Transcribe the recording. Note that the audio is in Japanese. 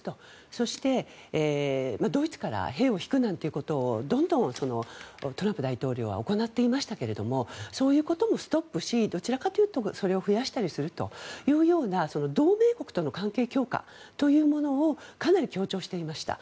そして、ドイツから兵を引くなんてことをどんどんトランプ大統領は行っていましたけれどそういうこともストップしどちらかというとそれを増やしたりするというような同盟国との関係強化というものをかなり強調していました。